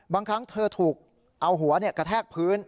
บางครั้งเธอถูกเอาหัวกระแทกพื้น